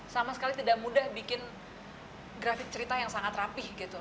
sama sekali tidak mudah bikin grafik cerita yang sangat rapih gitu